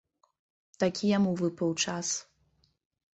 Такі яму выпаў час.